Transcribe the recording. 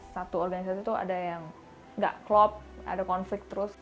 satu organisasi tuh ada yang gak klop ada konflik terus